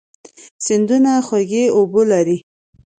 سیندونه خوږې اوبه لري.